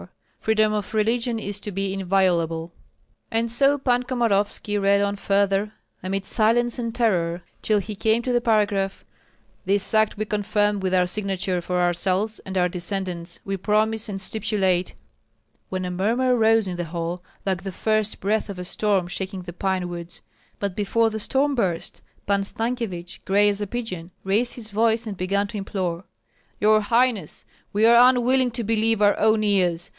Freedom of religion is to be inviolable " And so Pan Komorovski read on further, amid silence and terror, till he came to the paragraph: "This act we confirm with our signature for ourselves and our descendants, we promise and stipulate " when a murmur rose in the hall, like the first breath of a storm shaking the pine woods. But before the storm burst, Pan Stankyevich, gray as a pigeon, raised his voice and began to implore, "Your highness, we are unwilling to believe our own ears!